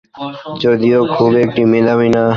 যদিও খুব একটা মেধাবী না।